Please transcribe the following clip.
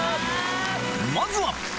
まずは！